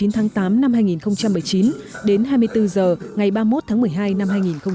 một mươi chín tháng tám năm hai nghìn một mươi chín đến hai mươi bốn giờ ngày ba mươi một tháng một mươi hai năm hai nghìn một mươi chín